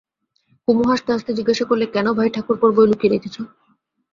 কুমু হাসতে হাসতে জিজ্ঞাসা করলে, কেন ভাই, ঠাকুরপোর বই লুকিয়ে রেখেছ?